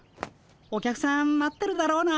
お客さん待ってるだろうな。